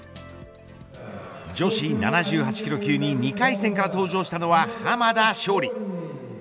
女子７８キロ級に２回戦から登場したのは濱田尚里。